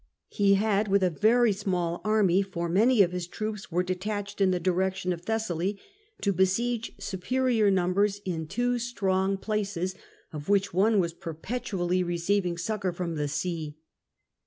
He had with a very small army^ — for many of his troops were detached in the direction of Thessaly — to besiege superior numbers in two strong SULLA STORMS ATHENS 133 places, of which one was perpetually receiving succour from the sea.